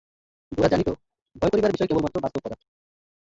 গোরা জানিত, ভয় করিবার বিষয় কেবলমাত্র বাস্তব পদার্থ।